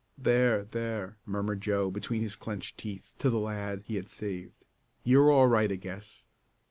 "There there!" murmured Joe between his clenched teeth to the lad he had saved. "You're all right I guess.